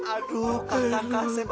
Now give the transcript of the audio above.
aduh kakak kasem